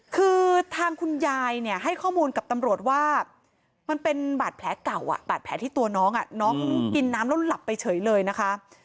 คือทางคุณยายเนี่ยให้ข้อมูลกับตำรวจว่ามันเป็นบาดแผลเก่าบาดแผลที่ตัวน้องน้องกินน้ำแล้วหลับไปเฉยเลยนะคะ